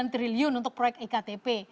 lima sembilan triliun untuk proyek iktp